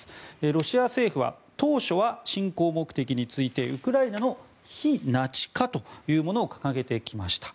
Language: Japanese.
ロシア政府は当初は侵攻目的についてウクライナの非ナチ化というものを掲げてきました。